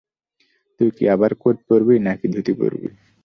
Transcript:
তুই কি আবার কোট পড়বি, নাকি ধুতি পড়বি?